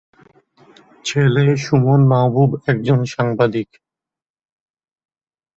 ছেলে সুমন মাহবুব একজন সাংবাদিক।